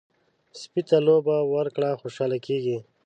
سپي ته لوبه ورکړه، خوشحاله کېږي.